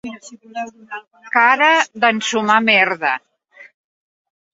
Cara d'ensumar merda.